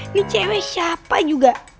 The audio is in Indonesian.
ini cewek siapa juga